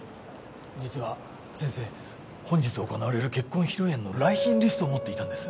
実は先生本日行われる結婚披露宴の来賓リストを持っていたんです。